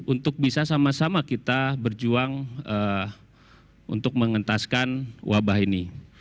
untuk bisa sama sama kita berjuang untuk mengentaskan wabah ini